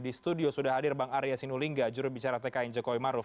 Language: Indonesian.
di studio sudah hadir bang arya sinulinga jurubicara tkn jokowi maruf